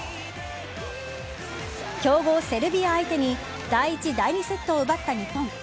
強豪・セルビア相手に第１、第２セットを奪った日本。